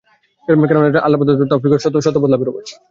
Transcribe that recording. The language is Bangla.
কেননা, এটা আল্লাহ প্রদত্ত তাওফীক ও সত্যপথ লাভের উপায়।